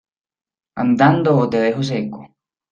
¡ andando ó te dejo seco!